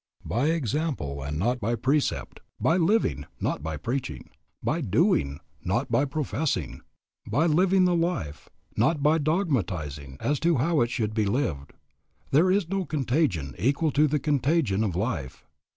By example and not by precept. By living, not by preaching. By doing, not by professing. By living the life, not by dogmatizing as to how it should be lived. There is no contagion equal to the contagion of life.